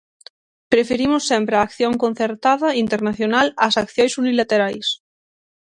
Preferimos sempre a acción concertada internacional ás accións unilaterais.